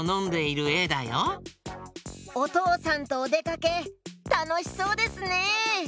おとうさんとおでかけたのしそうですね！